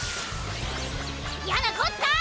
やなこった！